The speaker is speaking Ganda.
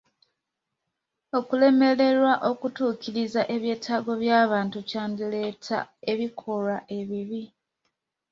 Okulemererwa okutuukiriza ebyetaago by'abantu kyandireeta ebikolwa ebibi.